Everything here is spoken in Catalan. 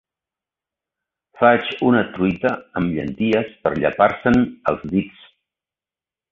Faig una truita amb llenties per llepar-se'n els dits.